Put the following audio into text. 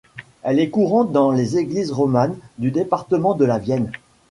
Elle est courante dans les églises romanes du département de la Vienne.